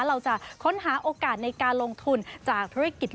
เราจะค้นหาโอกาสในการลงทุนจากธุรกิจ